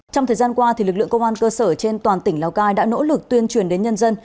trong thời gian qua lực lượng công an cơ sở trên toàn tỉnh lào cai đã nỗ lực tuyên truyền đến nhân dân